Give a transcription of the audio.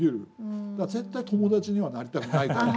だから絶対友達にはなりたくないタイプですね。